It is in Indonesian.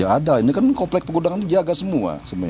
ya ada ini kan komplek penggunaan ini menjaga semua